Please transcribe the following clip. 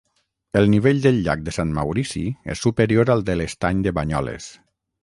El nivell del llac de Sant Maurici és superior al de l'estany de Banyoles.